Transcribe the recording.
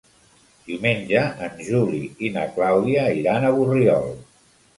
Diumenge en Juli i na Clàudia iran a Borriol.